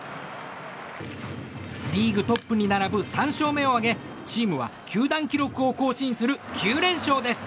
リーグトップに並ぶ３勝目を挙げチームは球団記録を更新する９連勝です。